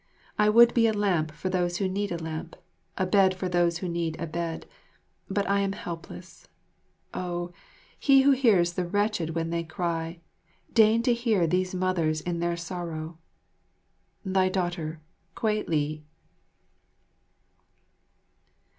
I would be a lamp for those who need a lamp, a bed for those who need a bed; but I am helpless. O, He who hears the wretched when they cry, deign to hear these mothers in their sorrow! Thy daughter, Kwei li.